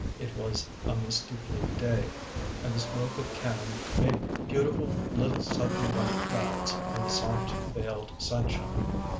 It was a misty blue day, and the smoke of cannon made beautiful little sudden white clouds in the soft veiled sunshine.